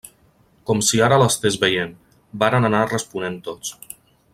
-Com si ara l'estés veient…- varen anar responent tots.